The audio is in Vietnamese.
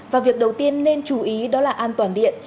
và việc đầu tiên nên chú ý đó là an toàn điện